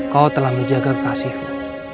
kau telah menjaga kekasihmu